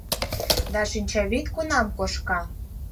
Да шинчавÿд кунам кошка